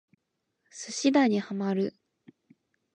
寿司打にハマる